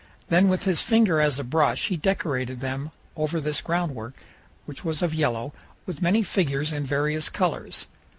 Then with his finger as a brush he decorated them over this groundwork, which was of yellow, with many figures in various colors.